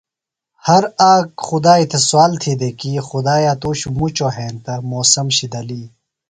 ہر آک خُدائی تھےۡ سوال تھی دےۡ کی خُدائی تُوش مُچو ہینتہ موسم شِدلیۡ۔